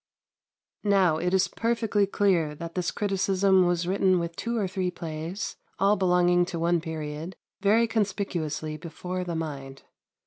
Now, it is perfectly clear that this criticism was written with two or three plays, all belonging to one period, very conspicuously before the mind.